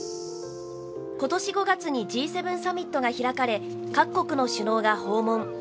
今年５月にＧ７サミットが開かれ各国の首脳が訪問。